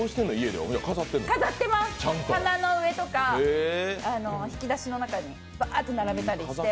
飾ってます、棚の上とか引き出しの中にばーっと並べたりして。